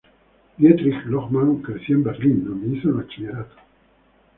Dietrich Lohmann creció en Berlín, donde hizo el Bachillerato.